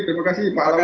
terima kasih pak laudy